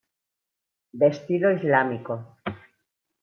De estilo islámico.